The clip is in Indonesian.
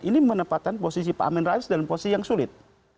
ini menempatkan posisi pak amin rais dalam posisi yang sulit